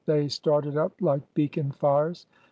They started up like beacon fires.